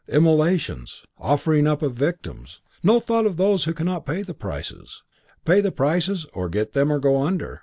Immolations. Offering up of victims. No thought of those who cannot pay the prices. Pay the prices, or get them, or go under.